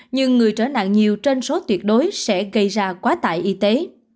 nhưng người trở nạn nhiều trên số tuyệt đối sẽ gây ra quá tải y tế